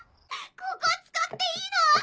ここ使っていいの？